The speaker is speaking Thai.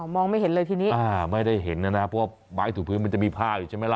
มองไม่เห็นเลยทีนี้อ่าไม่ได้เห็นนะนะเพราะว่าไม้ถูพื้นมันจะมีผ้าอยู่ใช่ไหมล่ะ